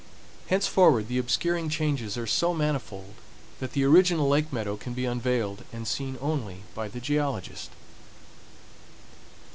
Henceforward the obscuring changes are so manifold that the original lake meadow can be unveiled and seen only by the geologist.